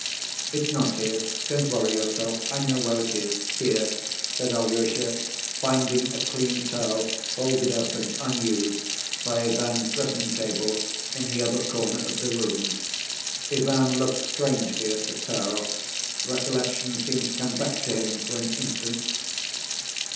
"It's not here. Don't worry yourself. I know where it is—here," said Alyosha, finding a clean towel, folded up and unused, by Ivan's dressing‐ table in the other corner of the room. Ivan looked strangely at the towel: recollection seemed to come back to him for an instant.